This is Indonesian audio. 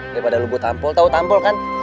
daripada lu gue tampol tau tampol kan